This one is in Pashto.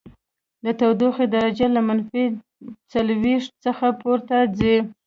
د تودوخې درجه له منفي څلوېښت څخه پورته ځي